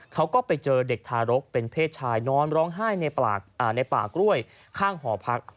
เขาก็ไปเจอเด็กทารกเป็นเพศชายนอนร้องไห้ในป่ากล้วยข้างหอพัก